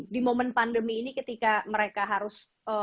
di momen pandemi ini ketika mereka harus